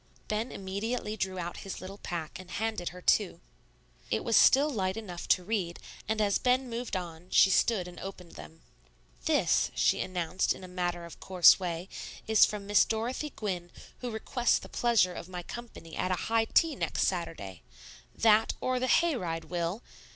Ben immediately drew out his little pack, and handed her two. It was still light enough to read; and as Ben moved on, she stood and opened them. "This," she announced in a matter of course way, "is from Miss Dorothy Gwynne, who requests the pleasure of my company at a high tea next Saturday. That, or the hay ride, Will?